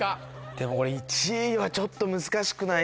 でもこれ１位はちょっと難しくないですか？